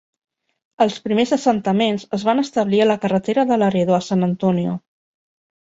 Els primers assentaments es van establir a la carretera de Laredo a San Antonio.